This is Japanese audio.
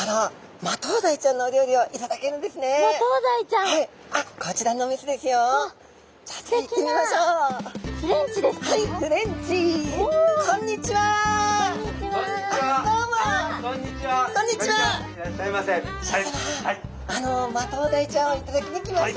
マトウダイちゃんを頂きに来ました。